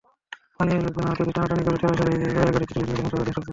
স্থানীয় লোকজন আহতদের টানাটানি করে ঠেলাগাড়িতে তুলে নিয়ে গেলেন সোহরাওয়ার্দী হাসপাতালে।